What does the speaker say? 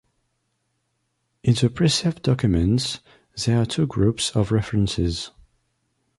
In the preserved documents, there are two groups of references.